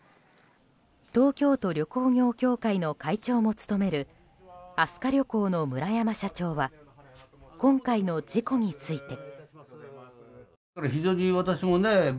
東京都旅行業協会の会長も務める飛鳥旅行の村山社長は今回の事故について。